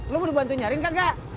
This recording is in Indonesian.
lo mau dibantu nyarin gak